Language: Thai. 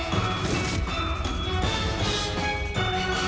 โขเชียร์